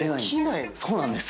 そうなんです。